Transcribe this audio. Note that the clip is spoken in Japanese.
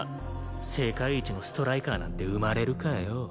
世界一のストライカーなんて生まれるかよ。